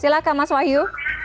silahkan mas wayu